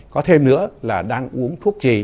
có thêm nữa là đang uống thuốc gì